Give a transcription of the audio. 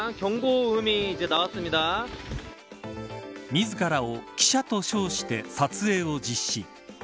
自らを記者と称して撮影を実施。